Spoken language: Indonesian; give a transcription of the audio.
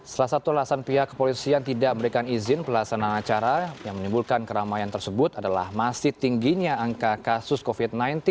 salah satu alasan pihak kepolisian tidak memberikan izin pelaksanaan acara yang menimbulkan keramaian tersebut adalah masih tingginya angka kasus covid sembilan belas